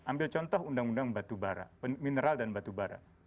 misalnya contoh undang undang batubara mineral dan batubara